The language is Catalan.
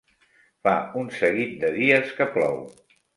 Fa un seguit de dies que plou.